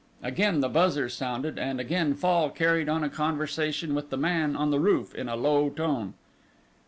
Again the buzzer sounded, and again Fall carried on a conversation with the man on the roof in a low tone.